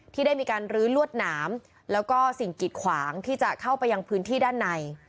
ที่ได้มีการลื้อลวดหนามแล้วก็สิ่งกิดขวางที่จะเข้าไปยังพื้นที่ด้านใน